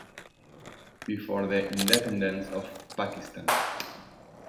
Before the independence of Pakistan.